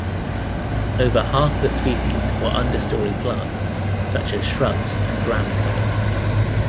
Over half the species were understory plants such as shrubs and ground covers.